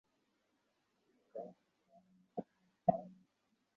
নিবিড় পরিচর্যা কেন্দ্র থেকে ছাড়া পেলে সে আমাকে দেখতে আসে।